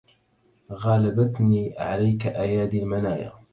غالبتني عليك أيدي المنايا